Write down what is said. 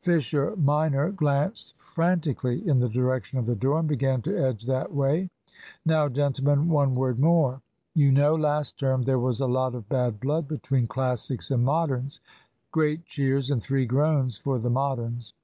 (Fisher minor glanced frantically in the direction of the door, and began to edge that way.) "Now, gentlemen, one word more. You know, last term, there was a lot of bad blood between Classics and Moderns," (great cheers and three groans for the Moderns).